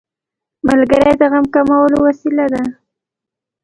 ملګری د غم کمولو وسیله ده